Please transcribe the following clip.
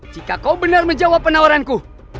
jika kau benar menjawab penawaranku